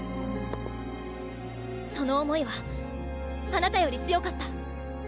その想いはあなたより強かった。